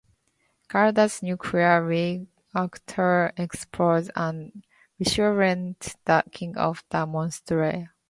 Garuda's nuclear reactor explodes and resurrects the King of the Monsters.